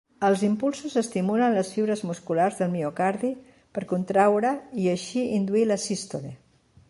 Els impulsos estimulen les fibres musculars del miocardi per contraure i així induir la sístole.